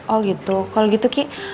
oh gitu kalau gitu kik